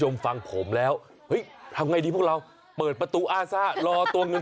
แม่งแม่งแม่งแม่งแม่งแม่ง